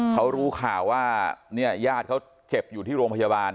เขารู้ข่าวว่าเนี่ยญาติเขาเจ็บอยู่ที่โรงพยาบาล